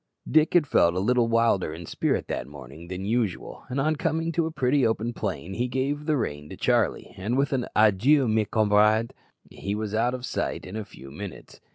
Dick had felt a little wilder in spirit that morning than usual, and on coming to a pretty open plain he gave the rein to Charlie, and with an "Adieu, mes camarade," he was out of sight in a few minutes.